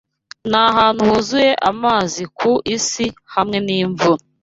nahantu huzuye amazi ku isi hamwe n’imvura